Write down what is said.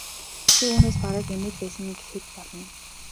Тэр үүнээс бараг эмээж байсан гэхэд болно.